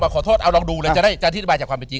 ขอโทษเอาลองดูเลยจะได้จะอธิบายจากความเป็นจริง